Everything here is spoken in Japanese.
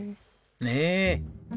ねえ！